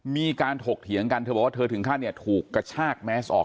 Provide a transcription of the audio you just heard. ถกเถียงกันเธอบอกว่าเธอถึงขั้นเนี่ยถูกกระชากแมสออก